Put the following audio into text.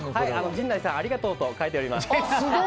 陣内さんありがとう！と書いてあります。